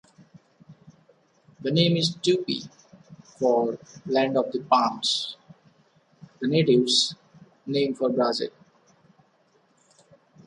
The name is Tupi for "Land of the Palms", the natives' name for Brazil.